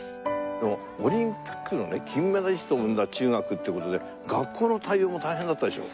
でもオリンピックのね金メダリストを生んだ中学って事で学校の対応も大変だったでしょ？